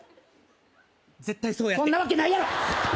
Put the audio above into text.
絶対そうやってそんなわけないやろ！